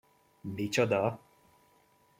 Micsoda?!